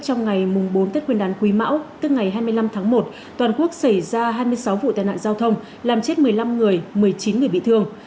trong ngày bốn tết nguyên đán quý mão tức ngày hai mươi năm tháng một toàn quốc xảy ra hai mươi sáu vụ tai nạn giao thông làm chết một mươi năm người một mươi chín người bị thương